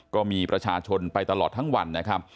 ก็มีประชาชนไปตลอดทั้งวันนะครับ